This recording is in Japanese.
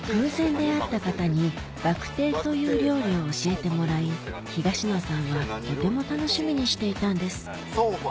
出会った方にバクテーという料理を教えてもらい東野さんはとても楽しみにしていたんですソンファ？